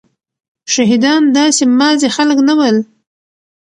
شهيدان داسي ماځي خلک نه ول.